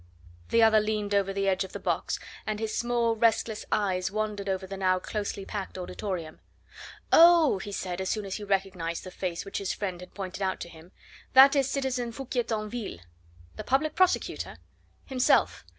The other leaned over the edge of the box, and his small, restless eyes wandered over the now closely packed auditorium. "Oh!" he said as soon as he recognised the face which his friend had pointed out to him, "that is citizen Foucquier Tinville." "The Public Prosecutor?" "Himself.